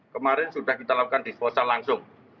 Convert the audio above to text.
kemarin sudah kita lakukan disposal langsung